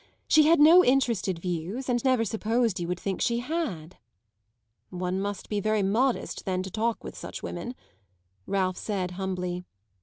She had no interested views, and never supposed you would think she had." "One must be very modest then to talk with such women," Ralph said humbly.